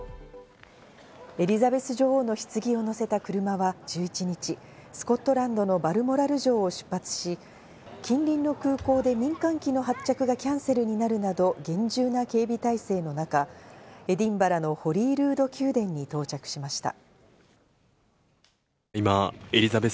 エリザベス女王のひつぎを乗せた車は１１日、スコットランドのバルモラル城を出発し、近隣の空港で民間機の発着がキャンセルになるなど厳重な警備態勢の中、エディンバラのホリールード宮殿に到着しました。